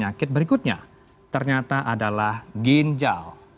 penyakit berikutnya ternyata adalah ginjal